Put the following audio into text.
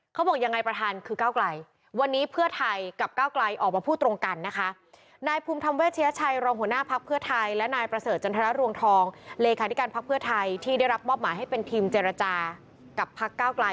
เขาบอกยังไงประธานคือก้าวไกลวันนี้เพื่อไทยกับก้าวไกลออกมาพูดตรงกันนะคะ